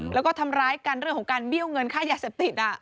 แล้วก็ทำร้ายกันเรื่องของการเบี้ยวเงินค่ายาเสพติด